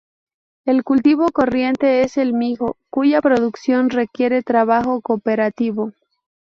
El cultivo corriente es el mijo, cuya producción requiere trabajo cooperativo.